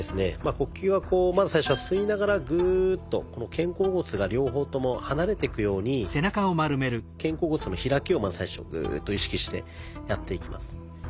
呼吸はまず最初は吸いながらグーッとこの肩甲骨が両方とも離れていくように肩甲骨の開きをまず最初グーッと意識してやっていきます。